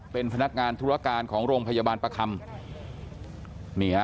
เป็นพนักงานธุรการของโรงพยาบาลประคำนี่ฮะ